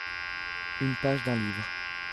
Une page d'un livre.